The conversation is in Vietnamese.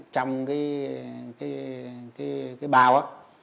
trong cái bào